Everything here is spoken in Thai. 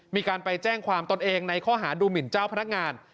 มีการไปแจ้งความตนเองในข้อหาดูหมินเจ้าพนักงาน